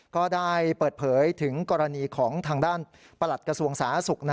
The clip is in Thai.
ก็ได้เปิดเผยถึงกรณีของทางด้านประหลัดกระทรวงสาธารณสุข